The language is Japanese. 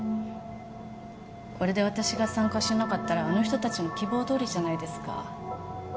これで私が参加しなかったらあの人たちの希望どおりじゃないですか。